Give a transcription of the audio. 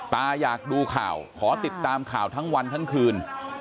อยากดูข่าวขอติดตามข่าวทั้งวันทั้งคืน